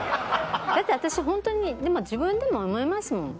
だって私ホントにでも自分でも思いますもん。